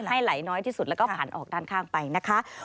ให้ไหลน้อยที่สุดแล้วก็ผ่านออกด้านข้างไปนะคะ